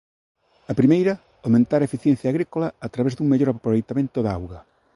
A primeira, aumentar a eficiencia agrícola a través dun mellor aproveitamento da auga.